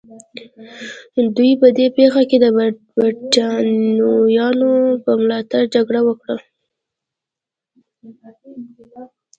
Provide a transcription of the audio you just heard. دوی په دې پېښه کې د برېټانویانو په ملاتړ جګړه وکړه.